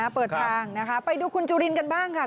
เปิดทางนะคะไปดูคุณจุลินกันบ้างค่ะ